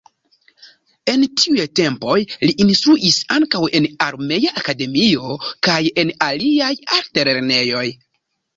En tiuj tempoj li instruis ankaŭ en armea akademio kaj en aliaj altlernejoj.